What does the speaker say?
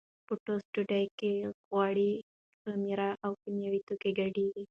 په ټوسټ ډوډۍ کې غوړي، خمیر او کیمیاوي توکي ګډېږي.